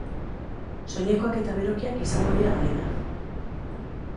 Soinekoak eta berokiak izango dira onena.